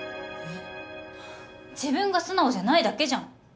自分が素直じゃないだけじゃん。